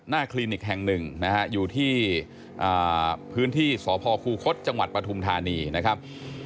คลินิกแห่งหนึ่งนะฮะอยู่ที่พื้นที่สพคูคศจังหวัดปฐุมธานีนะครับ